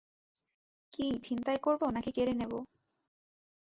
কী ছিনতাই করবো নাকি কেড়ে নেবো?